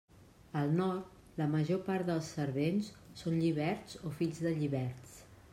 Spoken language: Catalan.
Al Nord la major part dels servents són lliberts o fills de lliberts.